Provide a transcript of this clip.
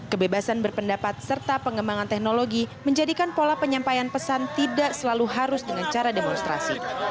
kebebasan berpendapat serta pengembangan teknologi menjadikan pola penyampaian pesan tidak selalu harus dengan cara demonstrasi